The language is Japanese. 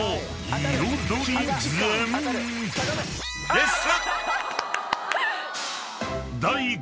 ［です！］